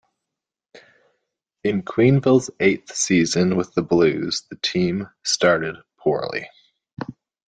In Quenneville's eighth season with the Blues, the team started poorly.